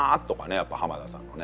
やっぱり浜田さんのね